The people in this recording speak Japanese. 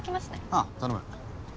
ああ頼む。